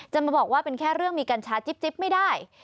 จะมาบอกว่าเป็นแค่เรื่องมีกัญชาจิ๊บไม่ได้